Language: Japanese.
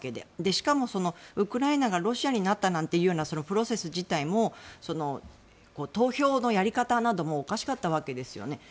しかもそのウクライナがロシアになったなんていうプロセス自体も投票のやり方などもおかしかったわけですよね。